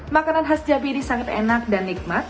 makanan khas jabi ini sangat enak dan nikmat